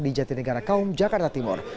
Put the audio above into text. di jatinegara kaum jakarta timur